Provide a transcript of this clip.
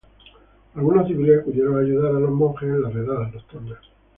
Algunos civiles acudieron a ayudar a los monjes en las redadas nocturnas.